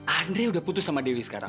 andri udah putus sama dewi sekarang